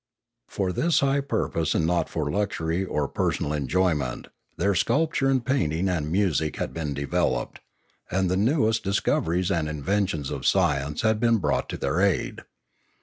For this high purpose and not for luxury or personal enjoyment their sculpture and painting and music had Pioneering 455 been developed, and the newest discoveries and inven tions of science had been brought to their aid.